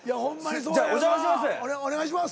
じゃお邪魔します。